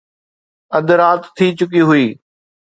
اڌ رات ٿي چڪي هئي